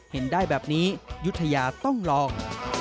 เห็นได้แบบนี้ยุธยาต้องลอง